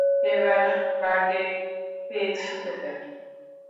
এবার বাগে পেয়েছি তোকে!